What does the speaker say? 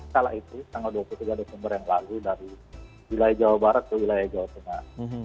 kala itu tanggal dua puluh tiga desember yang lalu dari wilayah jawa barat ke wilayah jawa tengah